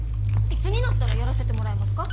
いつになったらやらせてもらえますか？